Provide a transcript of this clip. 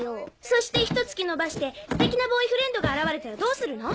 そしてひと月延ばしてステキなボーイフレンドが現れたらどうするの？